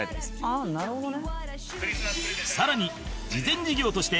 ああなるほどね。